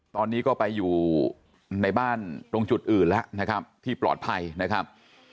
ตอนนี้ก็ไปอยู่ในบ้านตรงจุดอื่นแล้วนะครับที่ปลอดภัยนะครับ